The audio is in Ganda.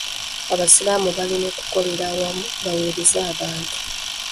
Abasiraamu balina okukolera awamu baweereze abantu.